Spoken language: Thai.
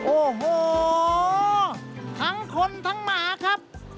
โอ้โหทั้งคนทั้งหมาครับ